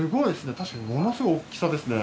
確かにものすごい大きさですね。